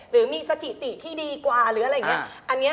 หรือมีสถิติที่ดีกว่าหรืออะไรอย่างนี้